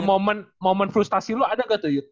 moment moment frustasi lu ada gak tuh yud